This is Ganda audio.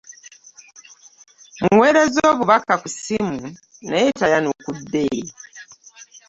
Mmuweerezza obubaka ku ssimu naye tayanukudde.